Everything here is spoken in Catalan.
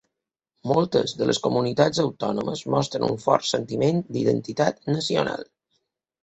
Moltes de les comunitats autònomes mostren un fort sentiment d'identitat nacional.